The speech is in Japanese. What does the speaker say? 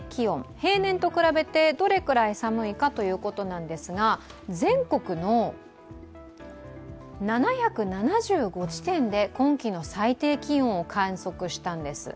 平年と比べてどれくらい寒いかということなんですが全国の７７５地点で今季の最低気温を観測したんです。